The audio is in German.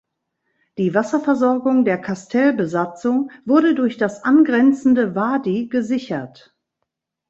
Die Wasserversorgung der Kastellbesatzung wurde durch das angrenzende Wadi gesichert.